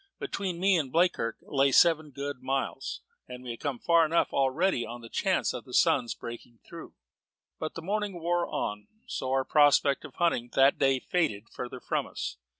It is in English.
Between me and Bleakirk lay seven good miles, and we had come far enough already on the chance of the sun's breaking through; but as the morning wore on, so our prospect of hunting that day faded further from us.